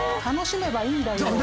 楽しめばいいんだよ。